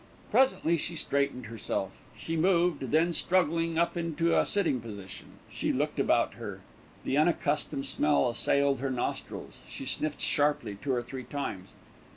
Presently, she straightened herself. She moved, then struggling up into a sitting position, she looked about her. The unaccustomed smell assailed her nostrils she sniffed sharply two or three times.